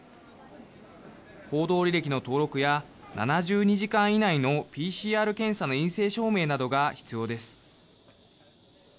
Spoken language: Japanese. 行動履歴の登録や７２時間以内のＰＣＲ検査の陰性証明などが必要です。